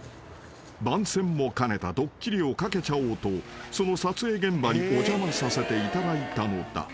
［番宣も兼ねたドッキリをかけちゃおうとその撮影現場にお邪魔させていただいたのだ］